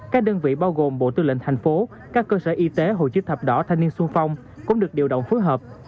các đơn vị bao gồm bộ tư lệnh thành phố các cơ sở y tế hội chức thập đỏ thanh niên sung phong cũng được điều động phối hợp